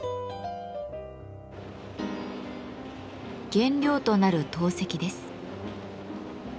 原料となる陶石です。